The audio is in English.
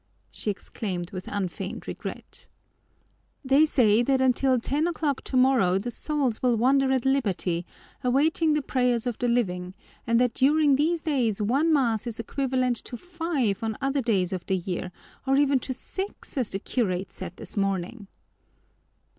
she exclaimed with unfeigned regret. "They say that until ten o'clock tomorrow the souls will wander at liberty, awaiting the prayers of the living, and that during these days one mass is equivalent to five on other days of the year, or even to six, as the curate said this morning."